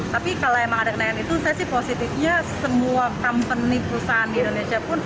tapi kalau emang ada kenaikan itu saya sih positifnya semua company perusahaan di indonesia pun